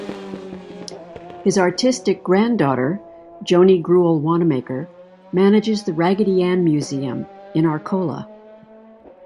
His artistic granddaughter, Joni Gruelle Wannamaker, manages the Raggedy Ann Museum in Arcola.